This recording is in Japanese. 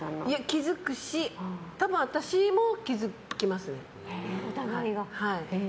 気づくし私も気づきますね。